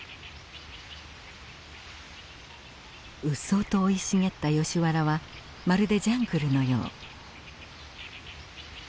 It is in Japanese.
うっそうと生い茂ったヨシ原はまるでジャングルのよう。